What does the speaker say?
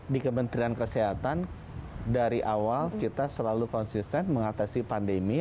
di kementerian kesehatan dari awal kita selalu konsisten mengatasi pandemi